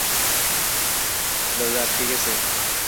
দরজা আটকে গেছে।